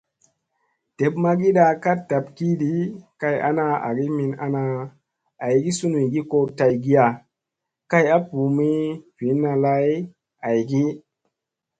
Dep magiiɗa ka ɗab kiɗi kay ana, agi min ana aygi sunuygi ko tay giya kay a ɓuu mi vinna lay aygi.